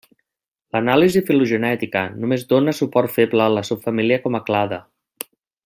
L'anàlisi filogenètica només dóna suport feble a la subfamília com a clade.